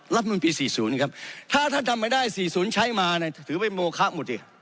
รับรวมพี่สี่ศูนย์เองครับถ้าท่านทำไมได้สี่ศูนย์ใช้มาถือไปโมโค๊ตหมดเอียด